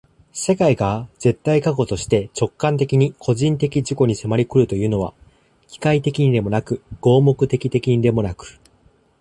世界が絶対過去として直観的に個人的自己に迫り来るというのは、機械的にでもなく合目的的にでもなく、